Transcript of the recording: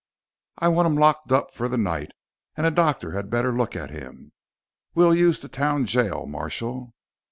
"I want him locked up for the night. And a doctor had better look at him. We'll use the town jail, Marshal."